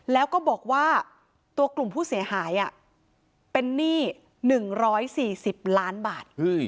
แล้วก็บอกว่าตัวกลุ่มผู้เสียหายเป็นหนี้๑๔๐ล้านบาท